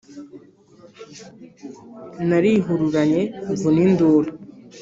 Narihururanye mvuna induru